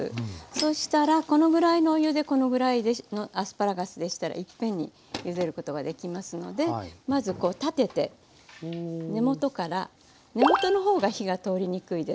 そしたらこのぐらいのお湯でこのぐらいのアスパラガスでしたらいっぺんにゆでることができますのでまずこう立てて根本から根本の方が火が通りにくいですのでまずここからゆでます。